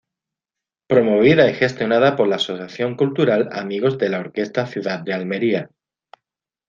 Promovida y gestionada por la Asociación Cultural Amigos de la Orquesta Ciudad de Almería.